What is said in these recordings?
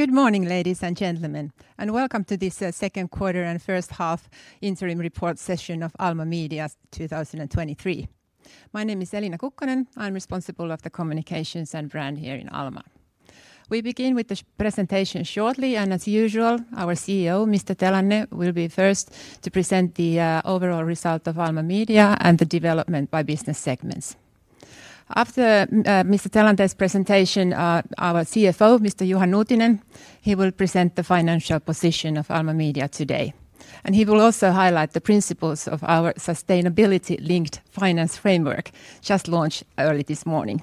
Good morning, ladies and gentlemen, welcome to this second quarter and first half interim report session of Alma Media 2023. My name is Elina Kukkonen. I'm responsible of the communications and brand here in Alma. We begin with the presentation shortly, as usual, our CEO, Mr. Telanne, will be first to present the overall result of Alma Media and the development by business segments. After Mr. Telanne's presentation, our CFO, Mr. Juha Nuutinen, he will present the financial position of Alma Media today. He will also highlight the principles of our sustainability-linked finance framework, just launched early this morning.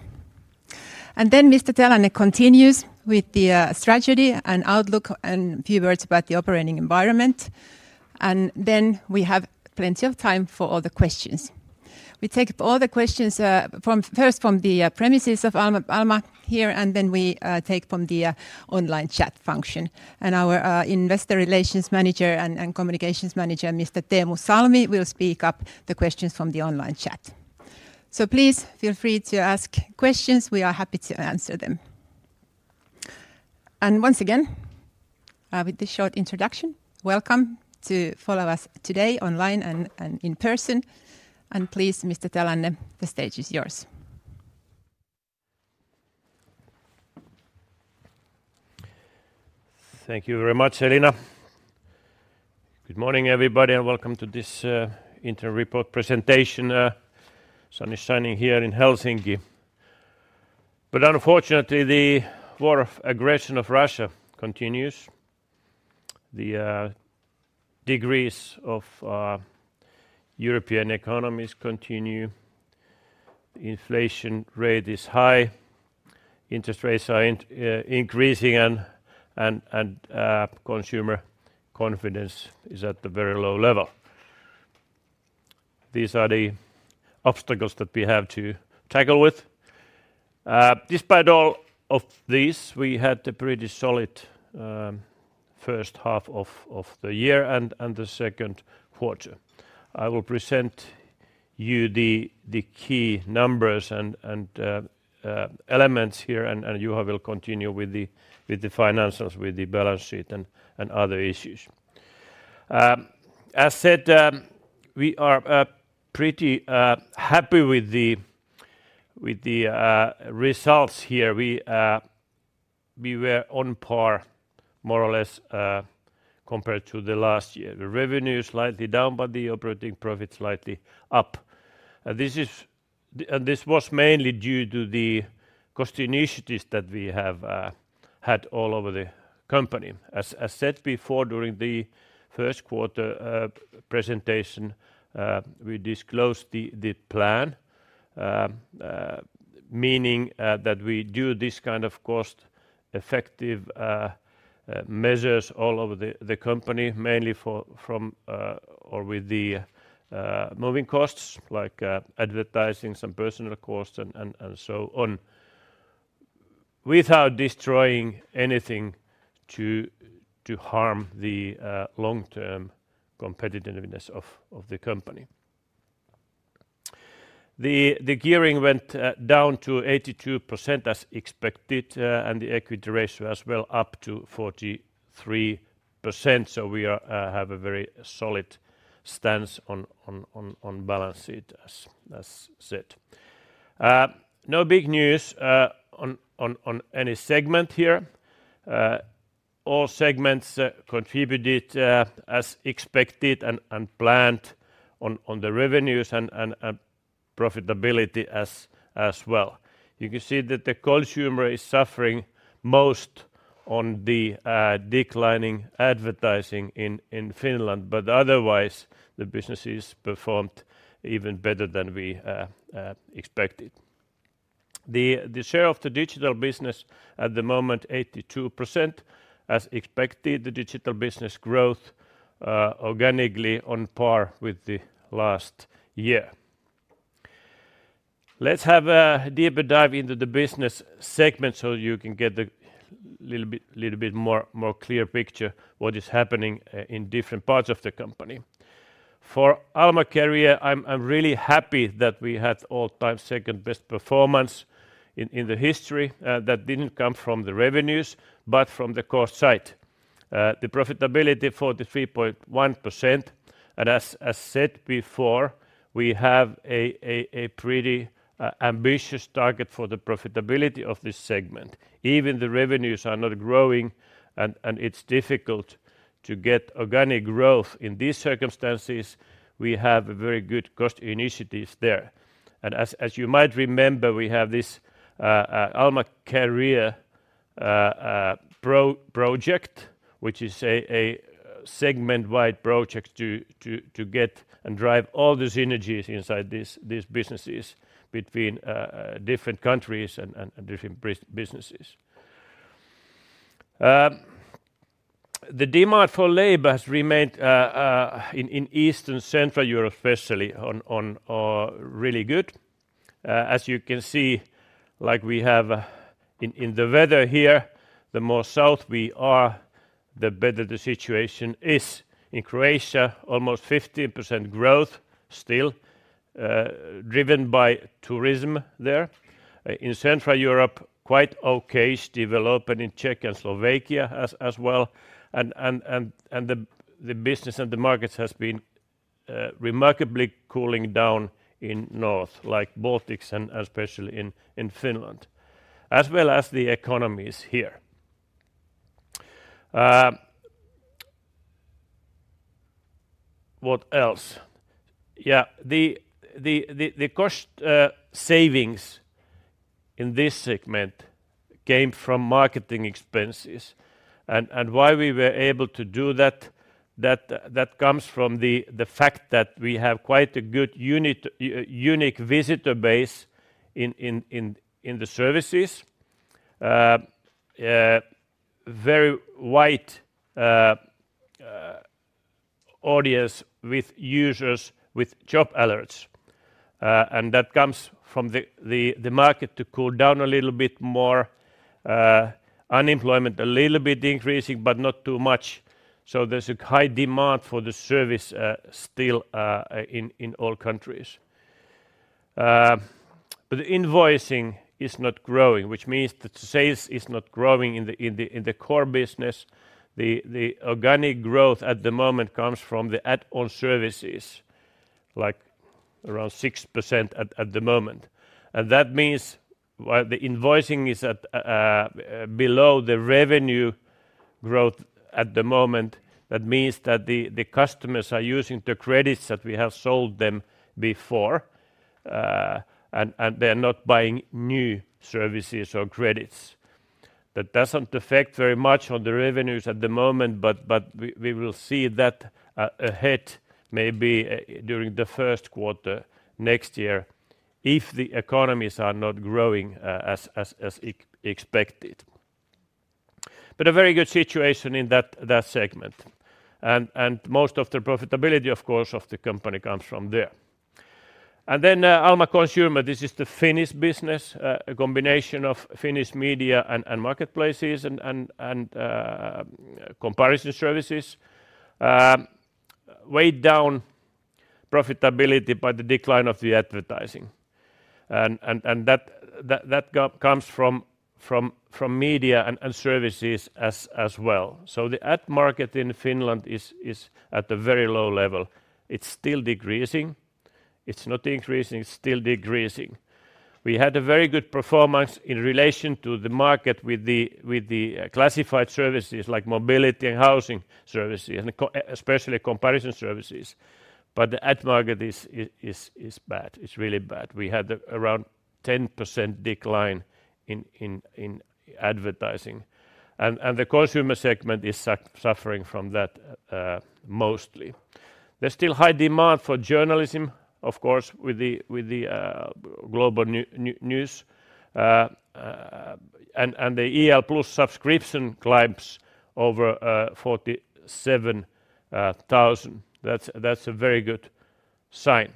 Then Mr. Telanne continues with the strategy and outlook and a few words about the operating environment. Then we have plenty of time for all the questions. We take all the questions from first from the premises of Alma here, then we take from the online chat function. Our investor relations manager and communications manager, Mr. Teemu Salmi, will speak up the questions from the online chat. Please feel free to ask questions. We are happy to answer them. Once again, with this short introduction, welcome to follow us today online and in person. Please, Mr. Telanne, the stage is yours. Thank you very much, Elina. Good morning, everybody, and welcome to this interim report presentation. Sun is shining here in Helsinki, but unfortunately, the war of aggression of Russia continues. The degrees of European economies continue, inflation rate is high, interest rates are increasing, and consumer confidence is at a very low level. These are the obstacles that we have to tackle with. Despite all of these, we had a pretty solid first half of the year and the second quarter. I will present you the key numbers and elements here, and Juha will continue with the financials, with the balance sheet and other issues. As said, we are pretty happy with the results here. We were on par more or less compared to the last year. The revenue is slightly down, but the operating profit slightly up. This was mainly due to the cost initiatives that we have had all over the company. As said before, during the first quarter presentation, we disclosed the plan, meaning that we do this kind of cost-effective measures all over the company, mainly from or with the moving costs, like advertising, some personal costs, and so on, without destroying anything to harm the long-term competitiveness of the company. The gearing went down to 82% as expected, and the equity ratio as well, up to 43%. We are have a very solid stance on balance sheet as said. No big news on any segment here. All segments contributed as expected and planned on the revenues and profitability as well. You can see that the consumer is suffering most on the declining advertising in Finland, otherwise, the business is performed even better than we expected. The share of the digital business at the moment, 82%. As expected, the digital business growth organically on par with the last year. Let's have a deeper dive into the business segment you can get the little bit more clear picture what is happening in different parts of the company. For Alma Career, I'm really happy that we had all-time second-best performance in the history. That didn't come from the revenues, but from the cost side. The profitability, 43.1%, and as said before, we have a pretty ambitious target for the profitability of this segment. Even the revenues are not growing, and it's difficult to get organic growth in these circumstances. We have very good cost initiatives there. As you might remember, we have this Alma Career project, which is a segment-wide project to get and drive all the synergies inside these businesses between different countries and different businesses. The demand for labor has remained in Eastern Central Europe, especially on really good. As you can see, like we have in the weather here, the more south we are, the better the situation is. In Croatia, almost 50% growth still, driven by tourism there. In Central Europe, quite okay's developing in Czech and Slovakia as well. The business and the markets has been remarkably cooling down in north, like Baltics and especially in Finland, as well as the economies here. What else? Yeah, the cost savings in this segment came from marketing expenses. Why we were able to do that comes from the fact that we have quite a good unique visitor base in the services. Very wide audience with users with job alerts. That comes from the market to cool down a little bit more, unemployment a little bit increasing, but not too much. There's a high demand for the service still in all countries. Invoicing is not growing, which means the sales is not growing in the core business. The organic growth at the moment comes from the add-on services, like around 6% at the moment. That means while the invoicing is at below the revenue growth at the moment, that means that the customers are using the credits that we have sold them before, and they're not buying new services or credits. That doesn't affect very much on the revenues at the moment, we will see that ahead, maybe during the first quarter next year, if the economies are not growing as expected. A very good situation in that segment. Most of the profitability, of course, of the company comes from there. Alma Consumer, this is the Finnish business, a combination of Finnish media and marketplaces and comparison services. Weighed down profitability by the decline of the advertising. That comes from media and services as well. The ad market in Finland is at a very low level. It's still decreasing. It's not increasing, it's still decreasing. We had a very good performance in relation to the market with the classified services like mobility and housing services, especially comparison services. The ad market is bad. It's really bad. We had around 10% decline in advertising. The consumer segment is suffering from that mostly. There's still high demand for journalism, of course, with the global news. The Iltalehti Plus subscription climbs over 47,000. That's a very good sign.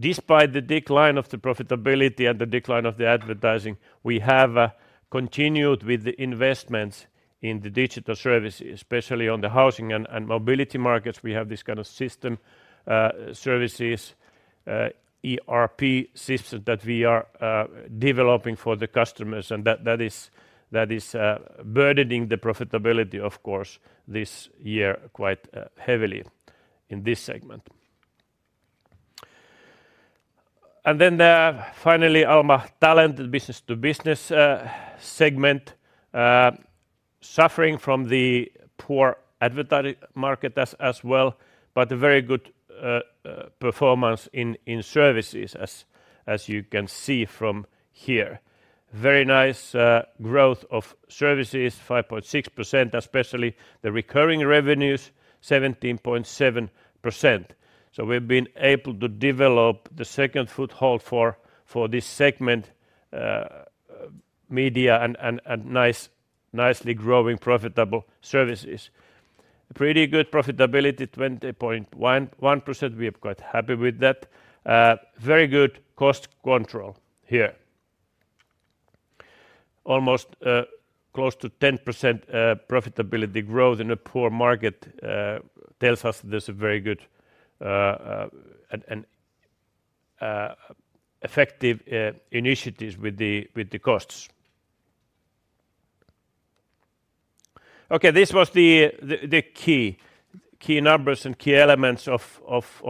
Despite the decline of the profitability and the decline of the advertising, we have continued with the investments in the digital services, especially on the housing and mobility markets. We have this kind of system, services, ERP system that we are developing for the customers. That is burdening the profitability, of course, this year quite heavily in this segment. Finally, Alma Talent, business to business segment, suffering from the poor advertising market as well, but a very good performance in services, as you can see from here. Very nice growth of services, 5.6%, especially the recurring revenues, 17.7%. We've been able to develop the second foothold for this segment, media and nicely growing profitable services. Pretty good profitability, 20.11%. We are quite happy with that. Very good cost control here. Almost close to 10% profitability growth in a poor market tells us there's a very good and effective initiatives with the costs. Okay, this was the key numbers and key elements of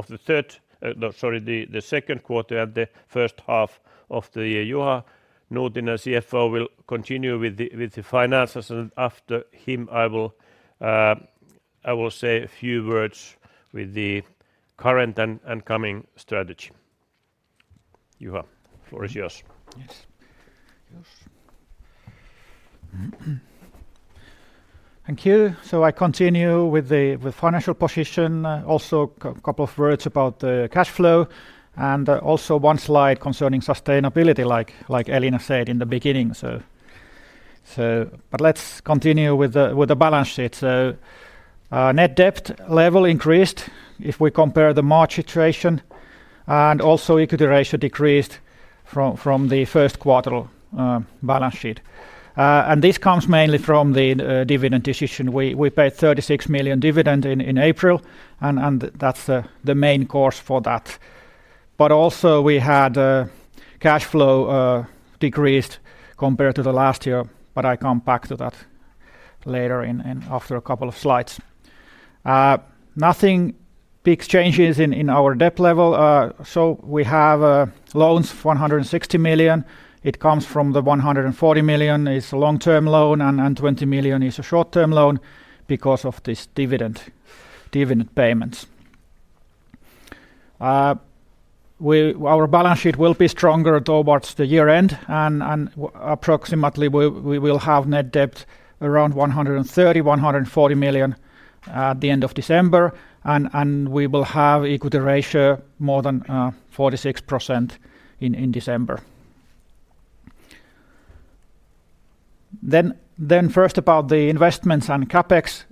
the third, no, sorry, the second quarter and the first half of the year. Juha Nuutinen, CFO, will continue with the finances, and after him, I will say a few words with the current and coming strategy. Juha, the floor is yours. Yes. Thank you. I continue with the financial position, also a couple of words about the cash flow, and also one slide concerning sustainability, like Elina said in the beginning. Let's continue with the balance sheet. Net debt level increased if we compare the March situation, and also equity ratio decreased from the first quarter balance sheet. This comes mainly from the dividend decision. We paid 36 million dividend in April, and that's the main cause for that. Also, we had cash flow decreased compared to the last year, but I come back to that later in after a couple of slides. Nothing big changes in our debt level. We have loans for 160 million. It comes from the 140 million is a long-term loan, 20 million is a short-term loan because of this dividend payments. Our balance sheet will be stronger towards the year-end, approximately we will have net debt around 130 million-140 million at the end of December, we will have equity ratio more than 46% in December. First about the investments and CapEx.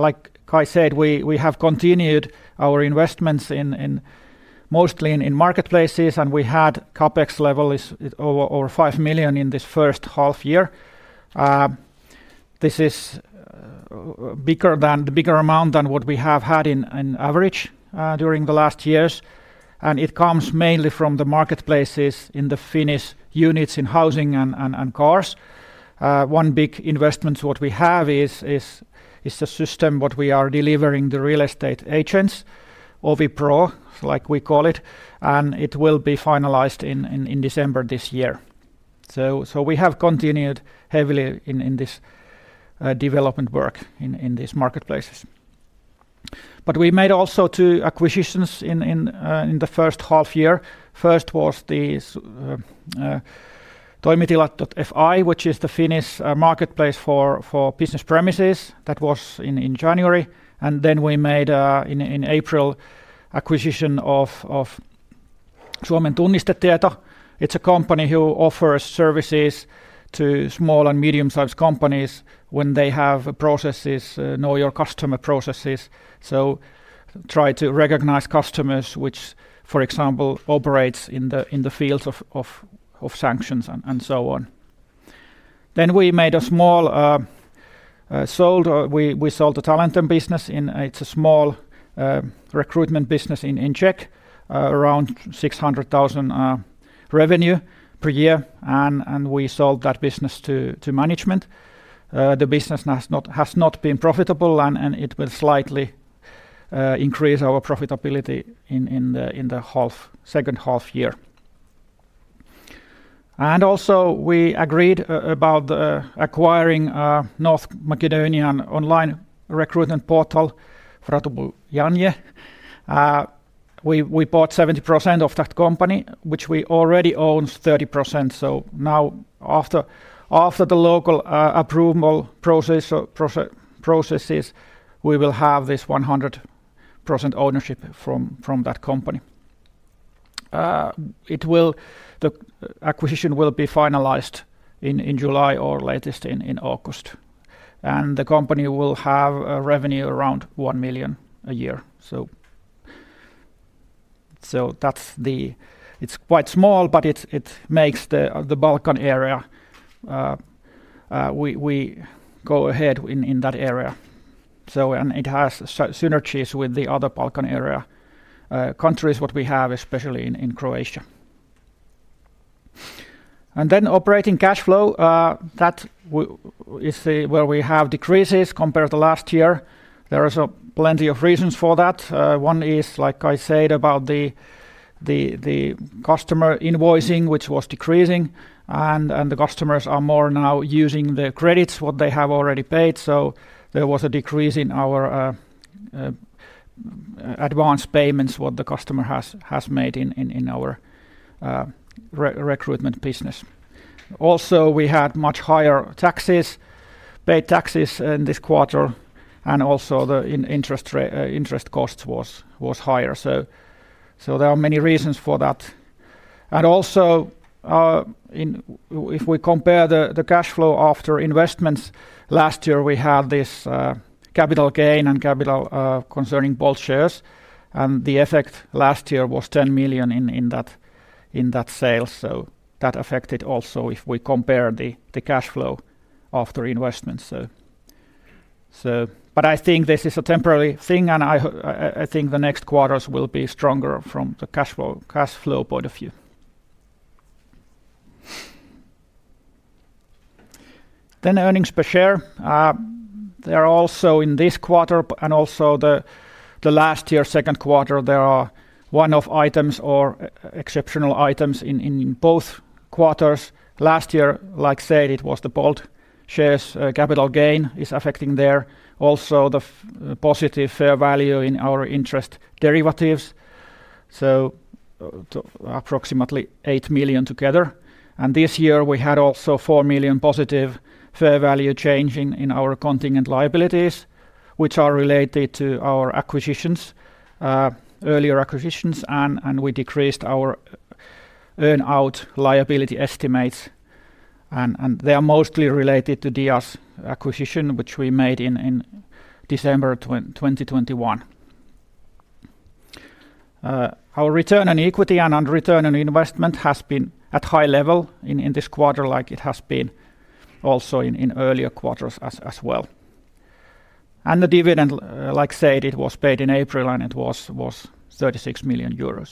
Like Kai said, we have continued our investments in mostly in marketplaces, we had CapEx level is over 5 million in this first half year. This is a bigger amount than what we have had in average during the last years, it comes mainly from the marketplaces in the Finnish units, in housing and cars. One big investment what we have is the system what we are delivering the real estate agents, OviPro, like we call it will be finalized in December this year. We have continued heavily in this development work in these marketplaces. We made also two acquisitions in the first half year. First was this Toimitilat.fi, which is the Finnish marketplace for business premises. That was in January, we made in April acquisition of Suomen Tunnistetieto. It's a company who offers services to small and medium-sized companies when they have processes, know your customer processes, try to recognize customers which, for example, operates in the fields of sanctions and so on. We sold the Talentum business in. It's a small recruitment business in Czech, around 600,000 revenue per year, and we sold that business to management. The business has not been profitable, and it will slightly increase our profitability in the half, second half-year. Also, we agreed about acquiring North Macedonian online recruitment portal, Vrabotuvanje Online. We bought 70% of that company, which we already owns 30%. Now, after the local approval processes, we will have this 100% ownership from that company. The acquisition will be finalized in July or latest in August, and the company will have a revenue around 1 million a year. That's the... It's quite small, but it makes the Balkan area, we go ahead in that area. It has synergies with the other Balkan area countries, what we have, especially in Croatia. Operating cash flow, that is the, where we have decreases compared to last year. There is plenty of reasons for that. One is, like I said, about the customer invoicing, which was decreasing, and the customers are more now using their credits, what they have already paid. There was a decrease in our advance payments what the customer has made in our recruitment business. We had much higher taxes, paid taxes in this quarter, and also the interest costs was higher. There are many reasons for that. If we compare the cash flow after investments, last year, we had this capital gain and capital concerning Bolt shares, and the effect last year was 10 million in that sale. That affected also if we compare the cash flow after investments. I think this is a temporary thing, and I I think the next quarters will be stronger from the cash flow point of view. Earnings per share. There are also in this quarter, and also the last year's second quarter, there are one-off items or exceptional items in both quarters. Last year, like I said, it was the Bolt shares. Capital gain is affecting there. Also, the positive fair value in our interest derivatives, so approximately 8 million together. This year, we had also 4 million positive fair value change in our contingent liabilities, which are related to our acquisitions, earlier acquisitions, and we decreased our earn-out liability estimates. And they are mostly related to the U.S. acquisition, which we made in December 2021. Our return on equity and on return on investment has been at high level in this quarter, like it has been also in earlier quarters as well. The dividend, like said, it was paid in April, and it was 36 million EUR.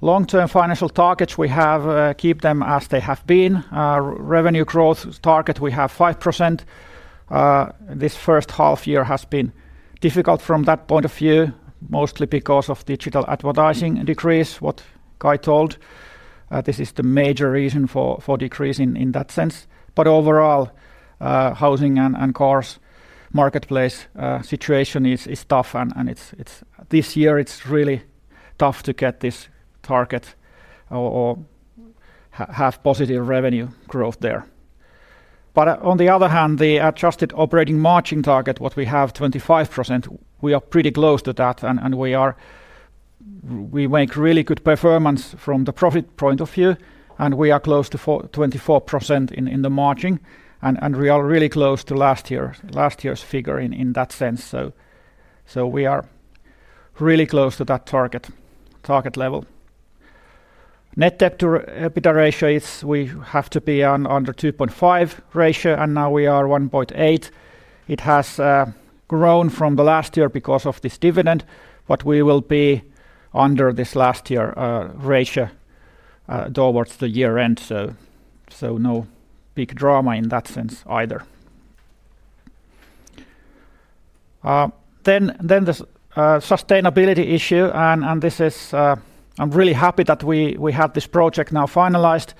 Long-term financial targets, we have keep them as they have been. Our revenue growth target, we have 5%. This first half year has been difficult from that point of view, mostly because of digital advertising decrease, what Kai told. This is the major reason for decrease in that sense. Overall, housing and cars marketplace situation is tough and it's... This year, it's really tough to get this target or have positive revenue growth there. On the other hand, the adjusted operating margin target, what we have 25%, we are pretty close to that, and we make really good performance from the profit point of view, and we are close to 24% in the margin, and we are really close to last year's figure in that sense. We are really close to that target level. Net debt to EBITDA ratio is we have to be on under 2.5 ratio, and now we are 1.8. It has grown from the last year because of this dividend, but we will be under this last year ratio towards the year end. No big drama in that sense either. Then the sustainability issue, and this is, I'm really happy that we have this project now finalized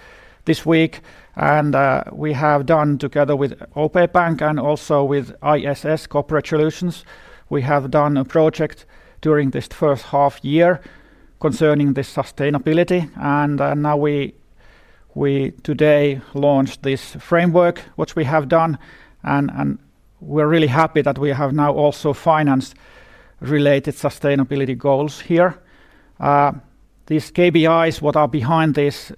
this week. We have done together with OP Bank and also with ISS Corporate Solutions. We have done a project during this first half year concerning the sustainability. Now we today launched this framework, which we have done, and we're really happy that we have now also financed related sustainability goals here. These KPIs, what are behind this,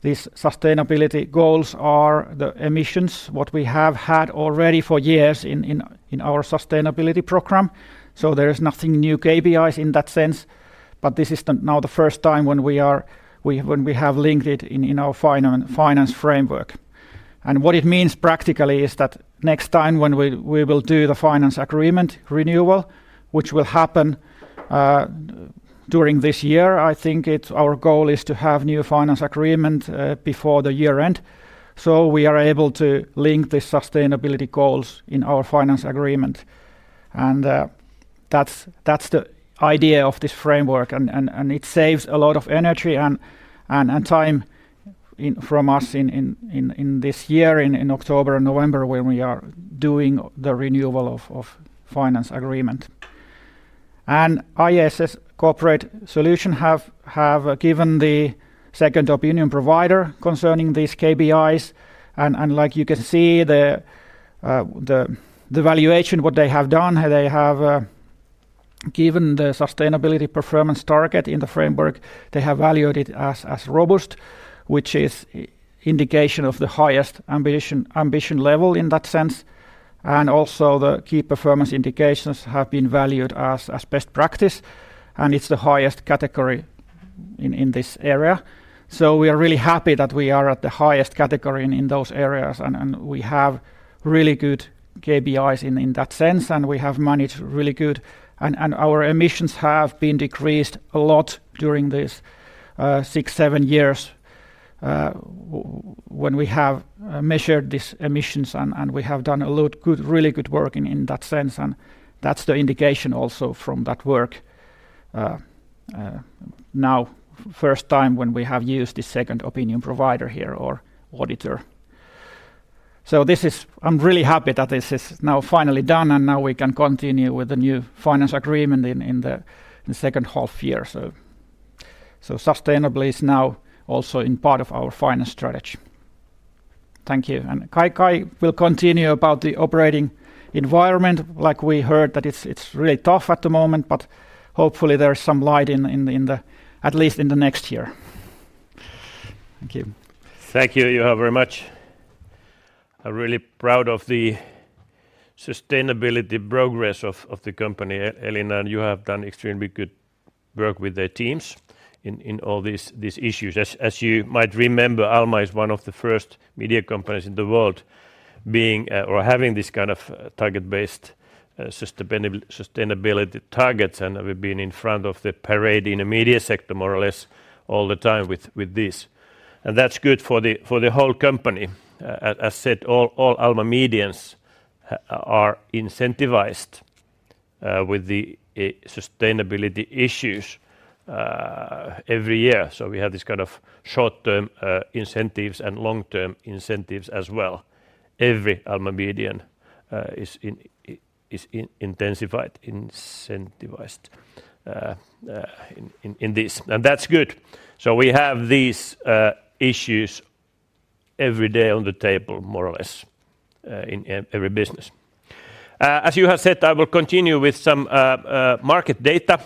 these sustainability goals are the emissions, what we have had already for years in our sustainability program. There is nothing new KPIs in that sense, but this is the now the first time when we, when we have linked it in our finance framework. What it means practically is that next time when we will do the finance agreement renewal, which will happen during this year, I think it's our goal is to have new finance agreement before the year end, so we are able to link the sustainability goals in our finance agreement. That's the idea of this framework, and it saves a lot of energy and time from us in this year, in October and November, when we are doing the renewal of finance agreement. ISS Corporate Solutions have given the second opinion provider concerning these KPIs, and like you can see, the valuation, what they have done, they have given the sustainability performance target in the framework. They have valued it as robust, which is indication of the highest ambition level in that sense. Also, the key performance indications have been valued as best practice, and it's the highest category in this area. We are really happy that we are at the highest category in those areas, and we have really good KPIs in that sense, and we have managed really good. Our emissions have been decreased a lot during this six, seven years when we have measured these emissions, and we have done a lot really good work in that sense, and that's the indication also from that work. Now, first time when we have used the second opinion provider here or auditor. I'm really happy that this is now finally done, and now we can continue with the new finance agreement in the second half year. Sustainable is now also in part of our finance strategy. Thank you. Kai will continue about the operating environment. Like we heard, that it's really tough at the moment, but hopefully there's some light in the at least in the next year. Thank you. Thank you, Juha, very much. I'm really proud of the sustainability progress of the company. Elina and Juha have done extremely good work with their teams in all these issues. As you might remember, Alma is one of the first media companies in the world being or having this kind of target-based sustainability targets, we've been in front of the parade in the media sector more or less all the time with this, and that's good for the whole company. As said, all Alma Medians are incentivized with the sustainability issues every year. We have this kind of short-term incentives and long-term incentives as well. Every Alma Median is incentivized in this, that's good. We have these issues every day on the table, more or less, in every business. As you have said, I will continue with some market data,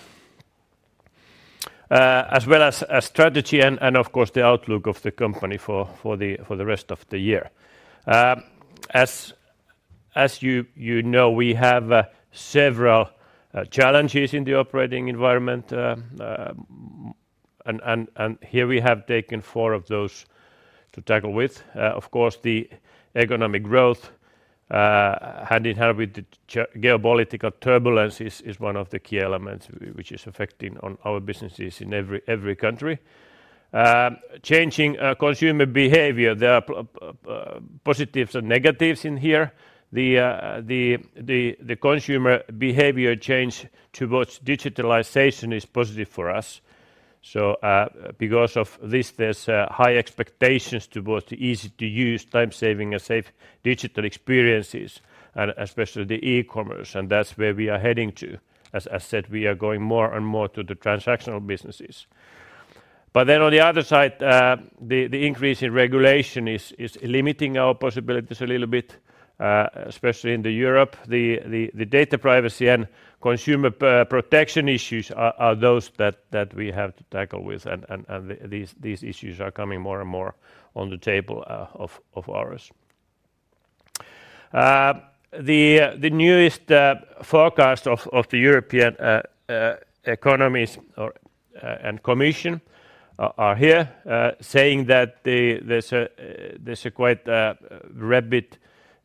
as well as a strategy and of course, the outlook of the company for the rest of the year. As you know, we have several challenges in the operating environment. And here we have taken four of those to tackle with. Of course, the economic growth, hand in hand with the geopolitical turbulence is one of the key elements which is affecting on our businesses in every country. Changing consumer behavior, there are positives and negatives in here. The consumer behavior change towards digitalization is positive for us. Because of this, there's high expectations towards the easy-to-use, time-saving, and safe digital experiences, and especially the e-commerce, and that's where we are heading to. As I said, we are going more and more to the transactional businesses. On the other side, the increase in regulation is limiting our possibilities a little bit, especially in the Europe. The data privacy and consumer protection issues are those that we have to tackle with, and these issues are coming more and more on the table of ours. The newest forecast of the European economies or, and commission are here saying that there's a quite rapid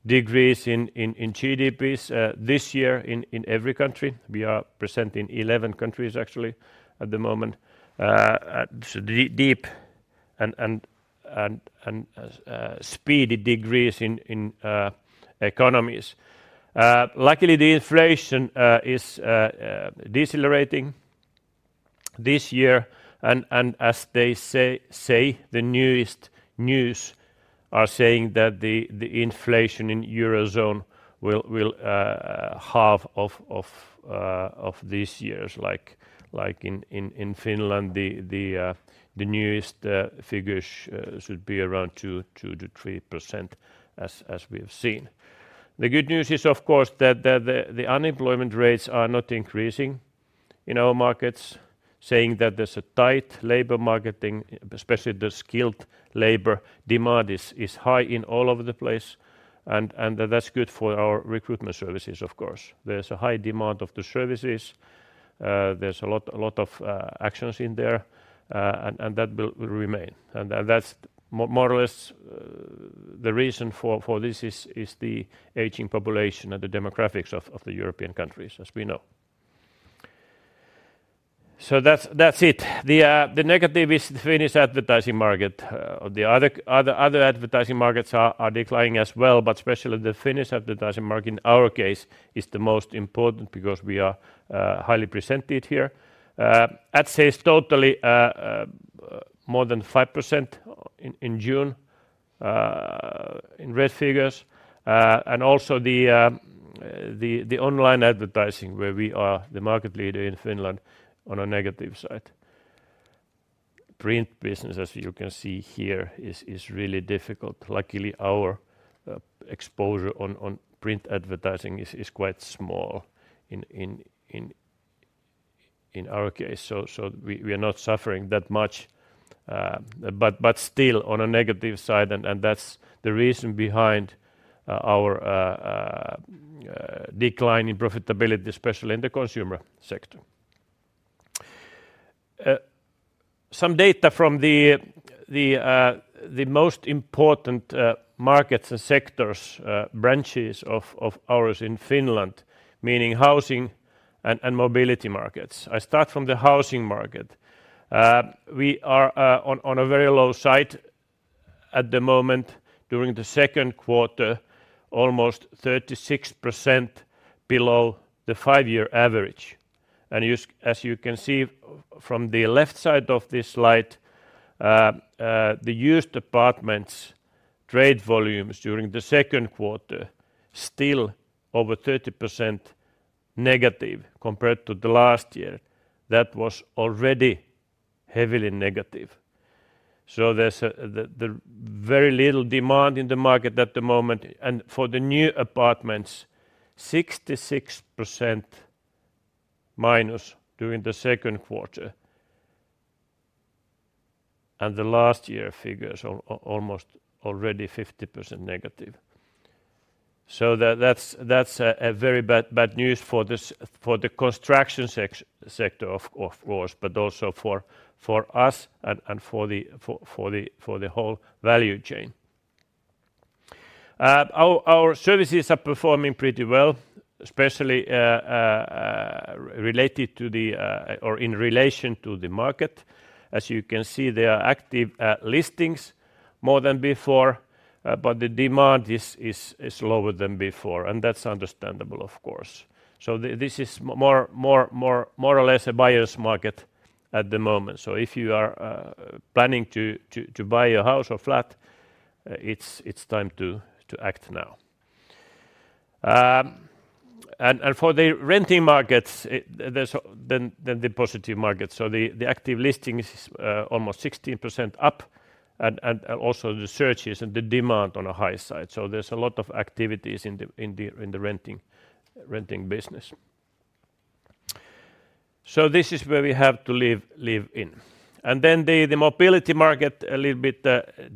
decrease in GDPs this year in every country. We are present in 11 countries actually at the moment. Deep and speedy decrease in economies. Luckily, the inflation is decelerating this year, as they say, the newest news are saying that the inflation in Eurozone will half of this years. Like in Finland, the newest figures should be around 2%-3% as we have seen. The good news is, of course, that the unemployment rates are not increasing in our markets, saying that there's a tight labor market in. Especially the skilled labor demand is high in all over the place, that's good for our recruitment services, of course. There's a high demand of the services, there's a lot of actions in there, and that will remain. That's more or less the reason for this is the aging population and the demographics of the European countries, as we know. That's it. The negative is the Finnish advertising market. The other advertising markets are declining as well, but especially the Finnish advertising market, in our case, is the most important because we are highly presented here. Ad sales totally more than 5% in June in red figures. Also the online advertising, where we are the market leader in Finland on a negative side. Print business, as you can see here, is really difficult. Luckily, our exposure on print advertising is quite small in our case, so we are not suffering that much, but still on a negative side, and that's the reason behind our decline in profitability, especially in the consumer sector. Some data from the most important markets and sectors, branches of ours in Finland, meaning housing and mobility markets. I start from the housing market. We are on a very low side at the moment, during the second quarter, almost 36% below the five-year average. As you can see from the left side of this slide, the used apartments' trade volumes during the second quarter, still over 30% negative compared to the last year. That was already heavily negative. There's a very little demand in the market at the moment, and for the new apartments, 66% minus during the second quarter, and the last year figures are almost already 50% negative. That's a very bad news for the construction sector, of course, but also for us and for the whole value chain. Our services are performing pretty well, especially related to the or in relation to the market. As you can see, there are active listings more than before, but the demand is lower than before, and that's understandable, of course. This is more or less a buyer's market at the moment. If you are planning to buy a house or flat, it's time to act now. For the renting markets, there's than the positive markets. The active listings is almost 16% up, and also the searches and the demand on a high side. There's a lot of activities in the renting business. This is where we have to live in. The mobility market, a little bit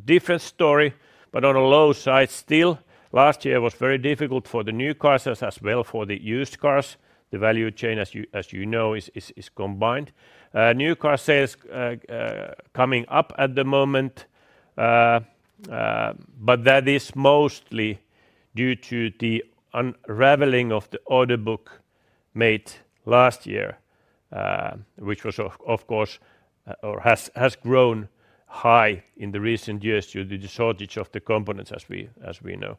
different story, but on a low side still. Last year was very difficult for the new cars as well for the used cars. The value chain, as you know, is combined. New car sales coming up at the moment. That is mostly due to the unraveling of the order book made last year, which was of course, or has grown high in the recent years due to the shortage of the components, as we know.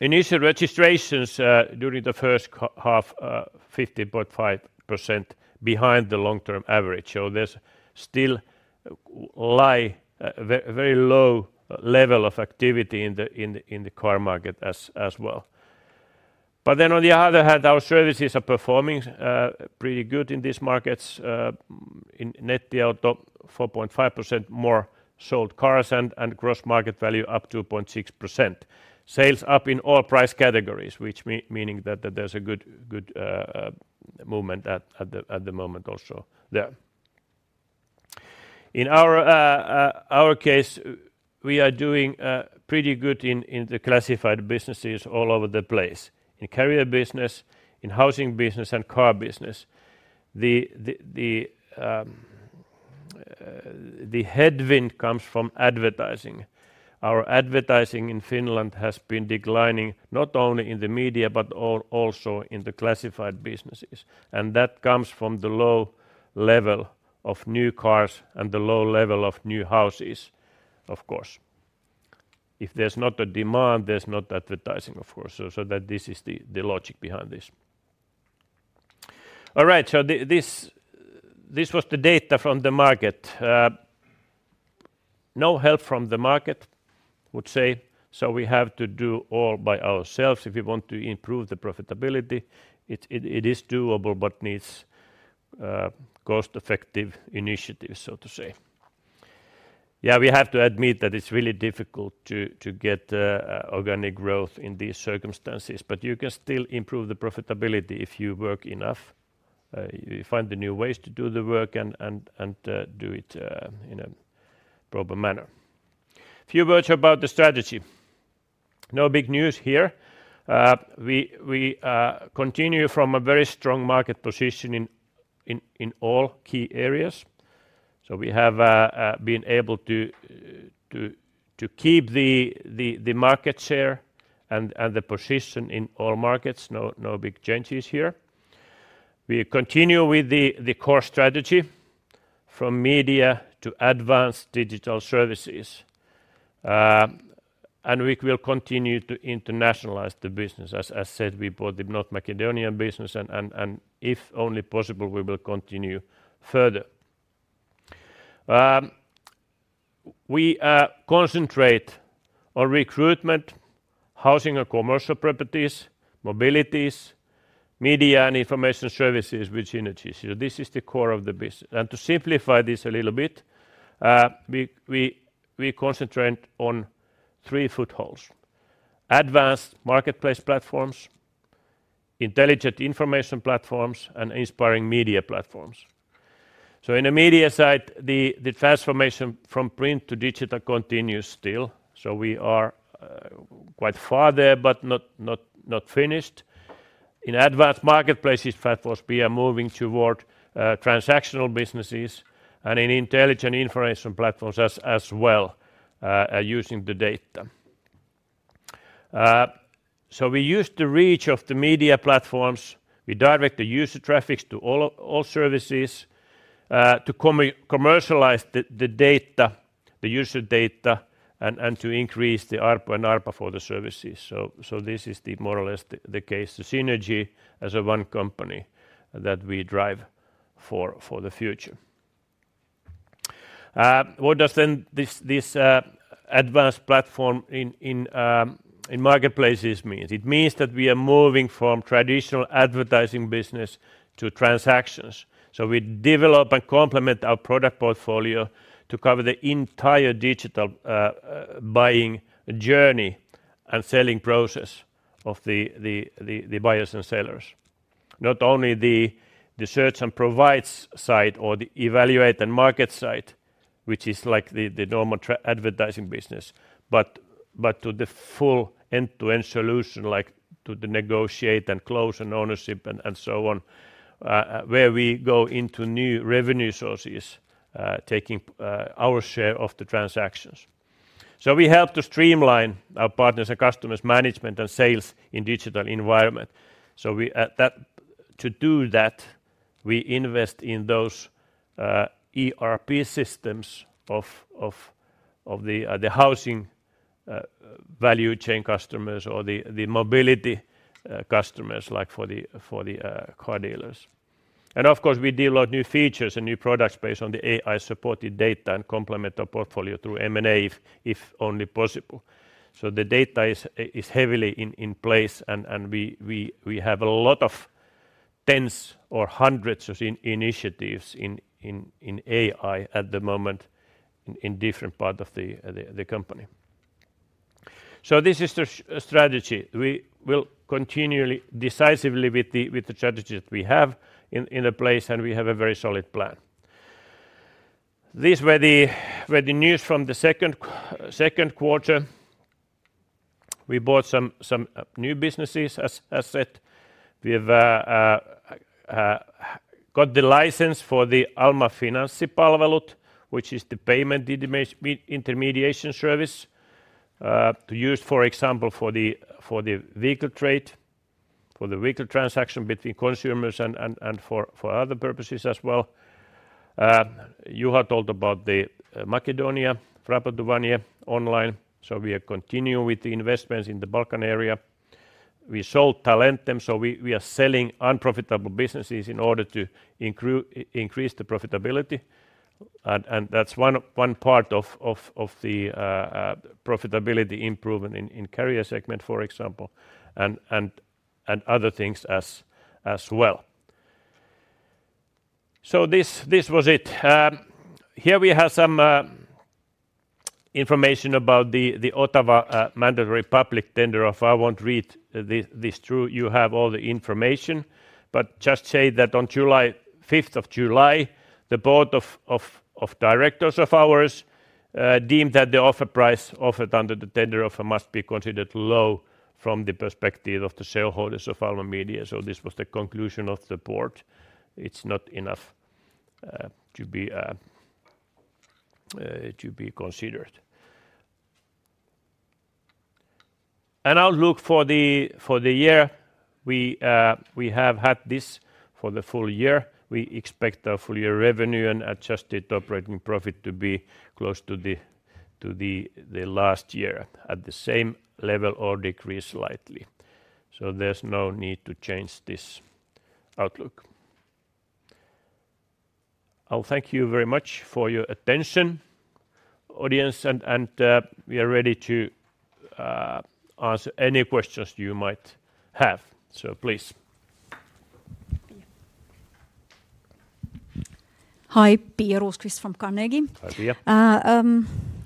Initial registrations, during the first half, 50.5% behind the long-term average. There's still lie very low level of activity in the car market as well. On the other hand, our services are performing pretty good in these markets. In Nettiauto, 4.5% more sold cars and gross market value up 2.6%. Sales up in all price categories, which meaning that there's a good movement at the moment also there. In our case, we are doing pretty good in the classified businesses all over the place, in carrier business, in housing business, and car business. The headwind comes from advertising. Our advertising in Finland has been declining, not only in the media, but also media and information services with synergies. This is the core of the business. To simplify this a little bit, we concentrate on 3 footholds: advanced marketplace platforms, intelligent information platforms, and inspiring media platforms. In the media side, the transformation from print to digital continues still, we are quite far there, but not finished. In advanced marketplaces, first, we are moving toward transactional businesses and in intelligent information platforms as well, using the data. We use the reach of the media platforms. We direct the user traffics to all services, to commercialize the data, the user data, and to increase the ARPA for the services. This is the more or less the case, the synergy as a one company that we drive for the future. What does then this advanced platform in marketplaces mean? It means that we are moving from traditional advertising business to transactions. We develop and complement our product portfolio to cover the entire digital buying journey and selling process of the buyers and sellers. Not only the search and provides side or the evaluate and market side, which is like the normal advertising business, but to the full end-to-end solution, like to the negotiate and close and ownership and so on, where we go into new revenue sources, taking our share of the transactions. We help to streamline our partners' and customers' management and sales in digital environment. To do that, we invest in those ERP systems of the housing value chain customers or the mobility customers, like for the car dealers. Of course, we deal out new features and new products based on the AI-supported data and complement our portfolio through M&A if only possible. The data is heavily in place, and we have a lot of tens or hundreds of initiatives in AI at the moment in different part of the company. This is the strategy. We will continually, decisively with the strategies we have in place, and we have a very solid plan. These were the news from the second quarter. We bought some new businesses, as said. We have got the license for the Alma Finanssipalvelut, which is the payment intermediation service, to use, for example, for the vehicle trade, for the vehicle transaction between consumers and for other purposes as well. Juha told about the Macedonia, Vrabotuvanje Online, we are continue with the investments in the Balkan area. We sold Talentum, we are selling unprofitable businesses in order to increase the profitability. That's one part of the profitability improvement in carrier segment, for example, and other things as well. This was it. Here we have some information about the Otava mandatory public tender offer. I won't read this through. You have all the information. Just say that on July 5th, the board of directors of ours deemed that the offer price offered under the tender offer must be considered low from the perspective of the shareholders of Alma Media. This was the conclusion of the board. It's not enough to be considered. An outlook for the year, we have had this for the full year. We expect our full-year revenue and adjusted operating profit to be close to the last year, at the same level or decrease slightly. There's no need to change this outlook. I'll thank you very much for your attention, audience, and we are ready to answer any questions you might have. Please. Hi, Pia Rosqvist-Heinsalmi from Carnegie. Hi, Pia.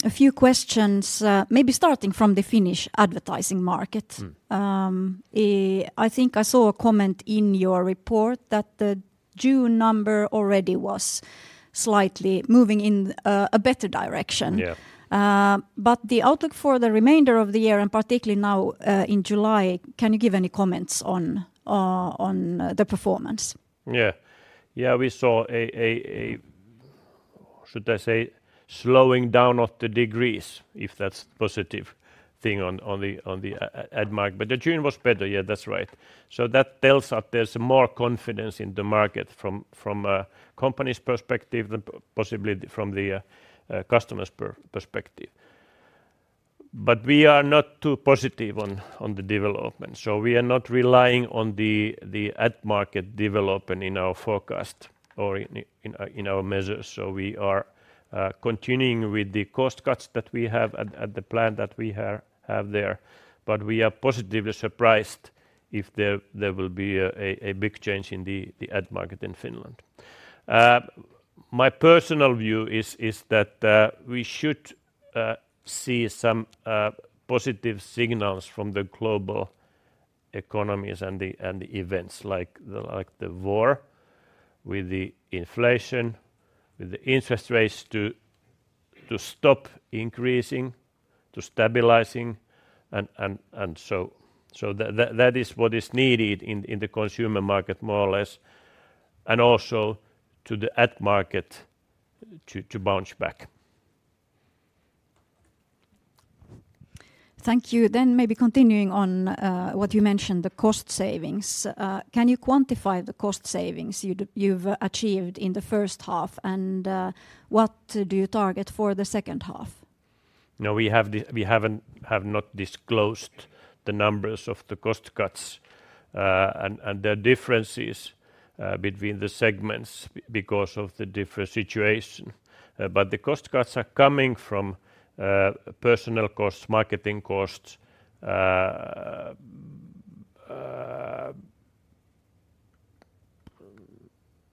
A few questions, maybe starting from the Finnish advertising market. Mm. I think I saw a comment in your report that the June number already was slightly moving in a better direction. Yeah. The outlook for the remainder of the year, and particularly now, in July, can you give any comments on the performance? Yeah, we saw a slowing down of the degrees, if that's positive thing on the ad market. June was better, yeah, that's right. That tells that there's more confidence in the market from a company's perspective than possibly from the customer's perspective. We are not too positive on the development, we are not relying on the ad market development in our forecast or in, in our measures. We are continuing with the cost cuts that we have at the plan that we have there. We are positively surprised if there will be a big change in the ad market in Finland. My personal view is that we should see some positive signals from the global economies and the events like the war, with the inflation, with the interest rates to stop increasing, to stabilizing. That is what is needed in the consumer market, more or less, and also to the ad market to bounce back Thank you. Maybe continuing on, what you mentioned, the cost savings, can you quantify the cost savings you've achieved in the first half, and what do you target for the second half? No, we have not disclosed the numbers of the cost cuts, and there are differences between the segments because of the different situation. The cost cuts are coming from personal costs, marketing costs,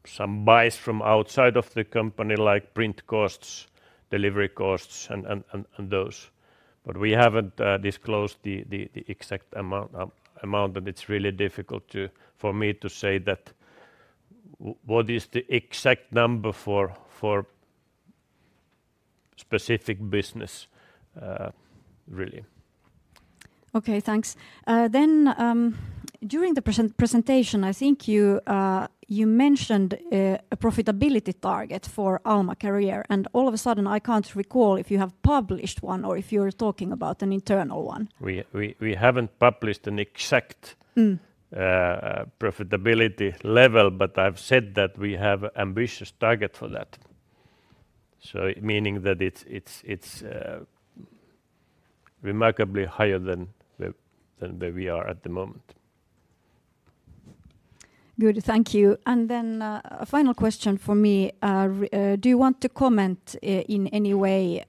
some buys from outside of the company, like print costs, delivery costs, and those. We haven't disclosed the exact amount, but it's really difficult to, for me to say that what is the exact number for specific business, really. Okay, thanks. During the presentation, I think you mentioned a profitability target for Alma Career, and all of a sudden, I can't recall if you have published one or if you're talking about an internal one? We haven't published an Mm Profitability level, I've said that we have ambitious target for that. Meaning that it's remarkably higher than the, than where we are at the moment. Good, thank you. Then, a final question from me. Do you want to comment in any way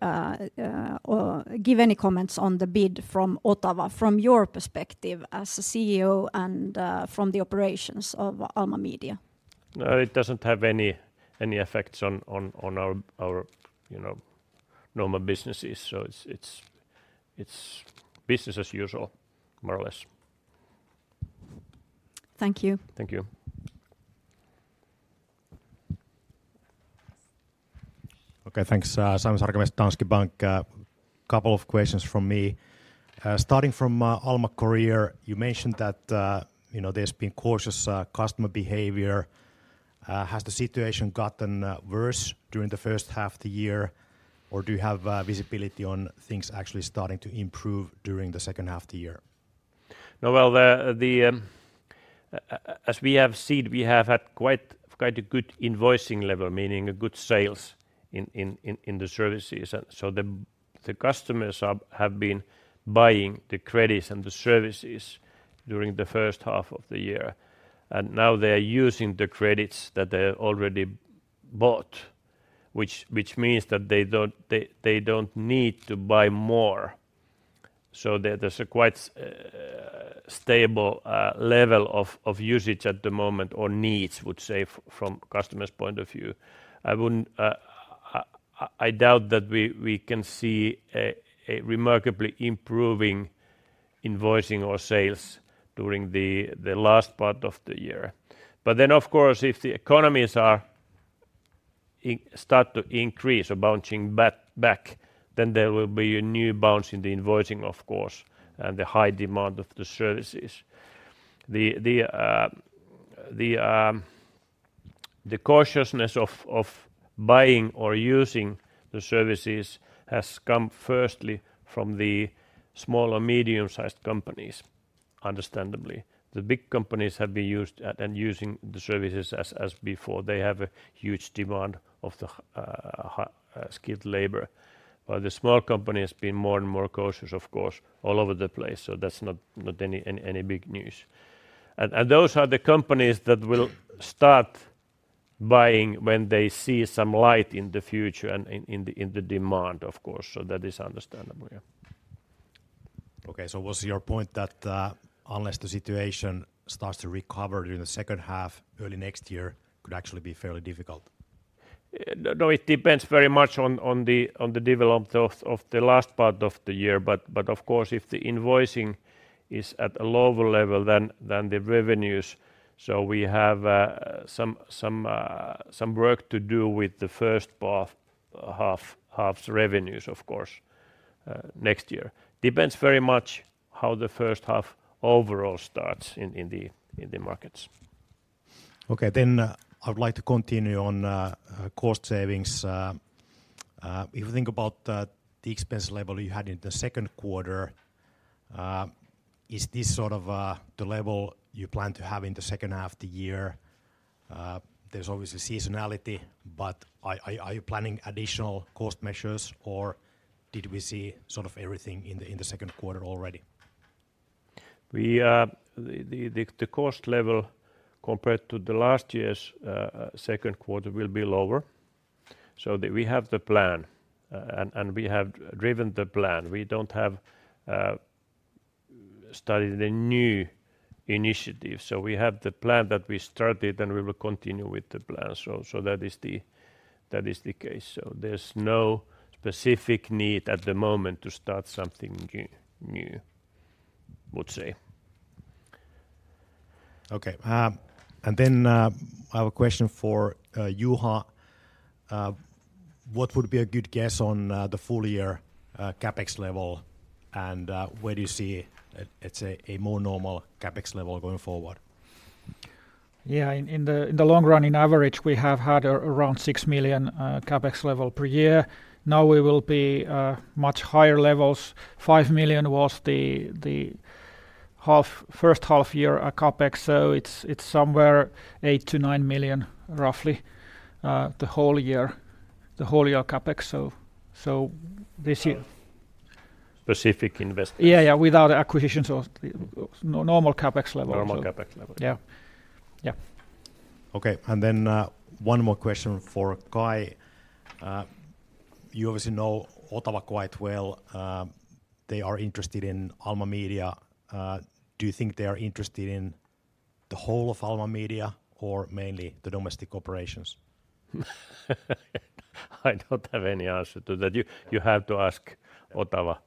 or give any comments on the bid from Otava, from your perspective as a CEO and from the operations of Alma Media? No, it doesn't have any effects on our, you know, normal businesses. It's business as usual, more or less. Thank you. Thank you. Okay, thanks. Simon Särkila Danske Bank. 2 questions from me. Starting from Alma Career, you mentioned that, you know, there's been cautious customer behavior. Has the situation gotten worse during the first half of the year, or do you have visibility on things actually starting to improve during the second half of the year? No, well, as we have seen, we have had quite a good invoicing level, meaning a good sales in the services. The customers have been buying the credits and the services during the first half of the year. Now they're using the credits that they already bought, which means that they don't need to buy more. There's a quite stable level of usage at the moment, or needs, would say, from customer's point of view. I wouldn't doubt that we can see a remarkably improving invoicing or sales during the last part of the year. Of course, if the economies start to increase or bouncing back, then there will be a new bounce in the invoicing, of course, and the high demand of the services. The cautiousness of buying or using the services has come firstly from the small- or medium-sized companies, understandably. The big companies have been used at and using the services as before. They have a huge demand of the skilled labor, while the small company has been more and more cautious, of course, all over the place. That's not any big news. Those are the companies that will start buying when they see some light in the future and in the demand, of course. That is understandable, yeah. Was your point that, unless the situation starts to recover during the second half, early next year could actually be fairly difficult? No, it depends very much on the development of the last part of the year. Of course, if the invoicing is at a lower level than the revenues, so we have some work to do with the first part half's revenues, of course, next year. Depends very much how the first half overall starts in the markets. I would like to continue on cost savings. If you think about the expense level you had in the second quarter, is this sort of the level you plan to have in the second half of the year? There's obviously seasonality, but are you planning additional cost measures, or did we see sort of everything in the second quarter already? We. The cost level compared to the last year's second quarter will be lower. We have the plan, and we have driven the plan. We don't have started a new initiative. We have the plan that we started, and we will continue with the plan. That is the case. There's no specific need at the moment to start something new, I would say. Okay. I have a question for Juha. What would be a good guess on the full year CapEx level? Where do you see a, let's say, a more normal CapEx level going forward? Yeah, in the long run, in average, we have had around 6 million CapEx level per year. Now, we will be much higher levels. 5 million was the half, first half year CapEx, so it's somewhere 8-9 million, roughly, the whole year CapEx. This year. Specific investments? Yeah, yeah, without acquisitions or. No, normal CapEx level. Normal CapEx level. Yeah. Yeah. Okay, then, one more question for Kai. You obviously know Otava quite well. They are interested in Alma Media. Do you think they are interested in the whole of Alma Media or mainly the domestic operations? I don't have any answer to that. You have to ask Otava.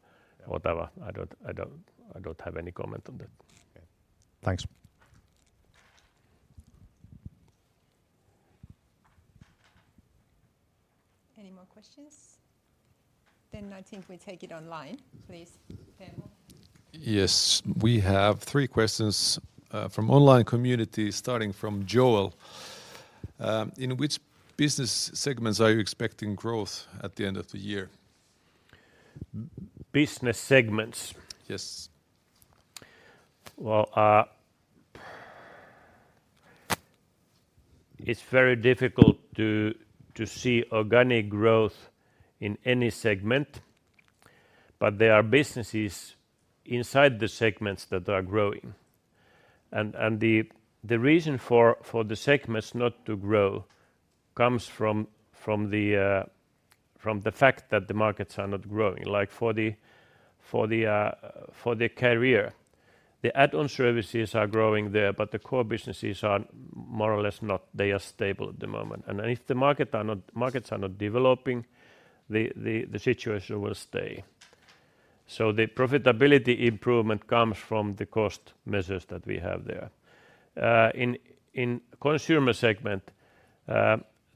Otava. I don't have any comment on that. Okay. Thanks. Any more questions? I think we take it online. Please, Teppo. Yes, we have three questions from online community, starting from Joel. In which business segments are you expecting growth at the end of the year? Business segments? Yes. Well, It's very difficult to see organic growth in any segment, but there are businesses inside the segments that are growing. The reason for the segments not to grow comes from the fact that the markets are not growing. Like, for the career, the add-on services are growing there, but the core businesses are more or less not. They are stable at the moment. If markets are not developing, the situation will stay. The profitability improvement comes from the cost measures that we have there. In consumer segment,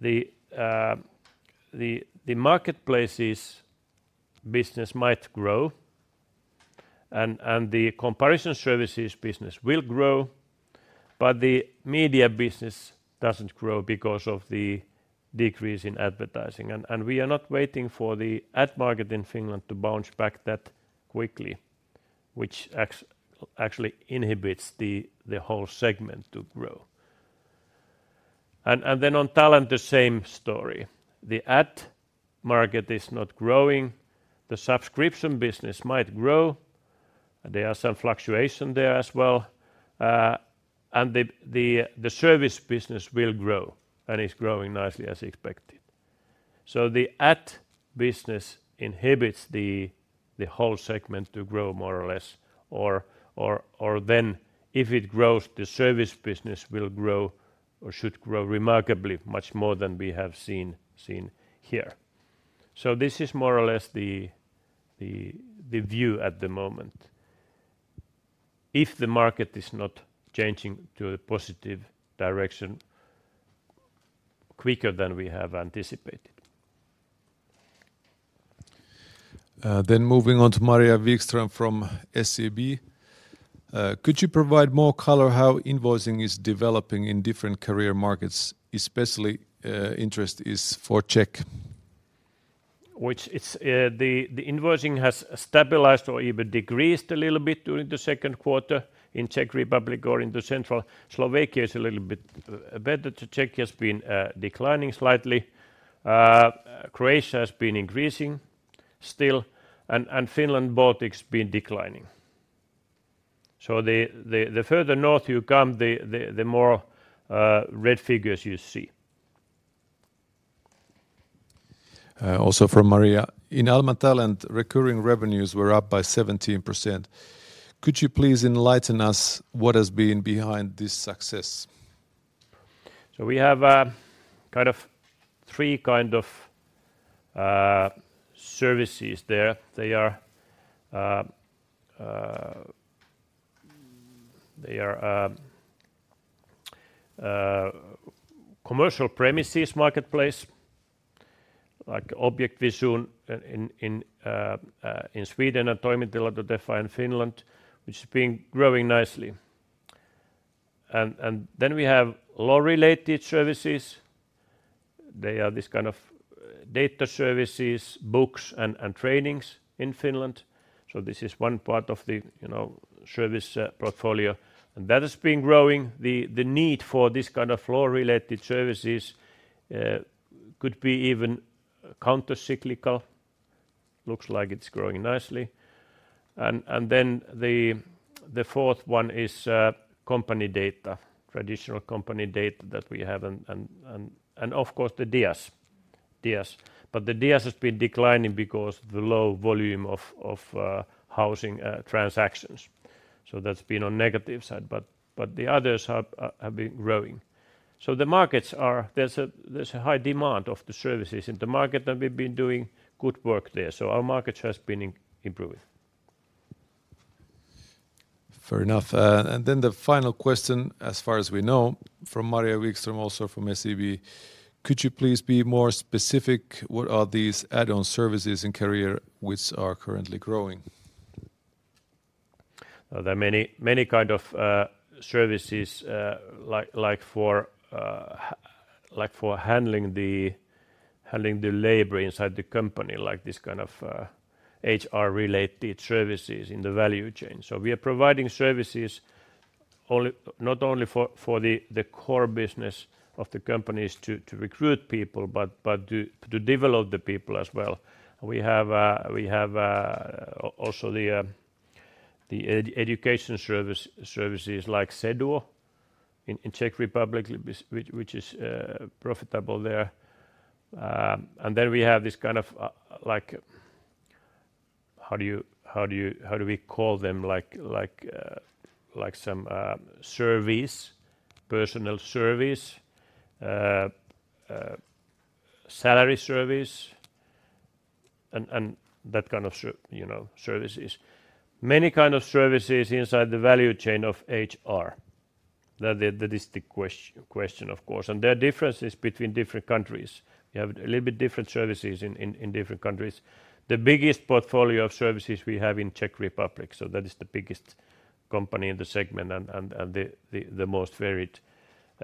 the marketplaces business might grow, the comparison services business will grow, but the media business doesn't grow because of the decrease in advertising. We are not waiting for the ad market in Finland to bounce back that quickly, which actually inhibits the whole segment to grow. Then on Talent, the same story. The ad market is not growing. The subscription business might grow, and there are some fluctuation there as well. The service business will grow, and it's growing nicely as expected. The ad business inhibits the whole segment to grow more or less, or then if it grows, the service business will grow or should grow remarkably much more than we have seen here. This is more or less the view at the moment, if the market is not changing to a positive direction quicker than we have anticipated. Moving on to Maria Wikström from SEB. Could you provide more color how invoicing is developing in different career markets, especially, interest is for Czech? Which it's, the invoicing has stabilized or even decreased a little bit during the second quarter in Czech Republic or in the Central. Slovakia is a little bit better. The Czech has been declining slightly. Croatia has been increasing still, and Finland, Baltics been declining. The further north you come, the more red figures you see. Also from Maria. In Alma Talent, recurring revenues were up by 17%. Could you please enlighten us what has been behind this success? We have kind of three services there. They are commercial premises marketplace, like Objektvision in Sweden and Toimitilat.fi in Finland, which has been growing nicely. We have law-related services. They are this kind of data services, books, and trainings in Finland. This is one part of the, you know, service portfolio, and that has been growing. The need for this kind of law-related services could be even countercyclical. Looks like it's growing nicely. The fourth one is company data, traditional company data that we have and of course, the DIAS. The DIAS has been declining because of the low volume of housing transactions. That's been on negative side, but the others have been growing. The markets are. There's a high demand of the services in the market, and we've been doing good work there. Our markets has been improving. Fair enough. The final question, as far as we know, from Maria Wikström, also from SEB. Could you please be more specific, what are these add-on services in Career which are currently growing? There are many kind of services like for handling the labor inside the company, like this kind of HR-related services in the value chain. We are providing services not only for the core business of the companies to recruit people, but to develop the people as well. We have also the education services like Seduo in Czech Republic, which is profitable there. We have this kind of like, how do we call them? Like some personal service, salary service, and that kind of you know, services. Many kind of services inside the value chain of HR. That is the question, of course. There are differences between different countries. We have a little bit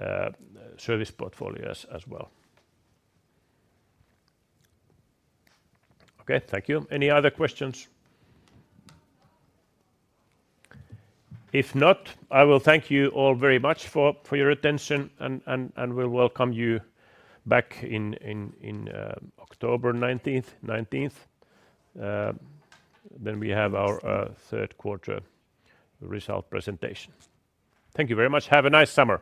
different services in different countries. The biggest portfolio of services we have in Czech Republic, so that is the biggest company in the segment and the most varied service portfolios as well. Okay,